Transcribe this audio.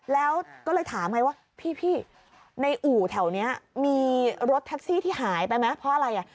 แล้วก็เลยถามไงว่าพี่ในอู่แถวนี้มีรถแท็กซี่ที่หายไปไหมเพราะอะไรอ่ะ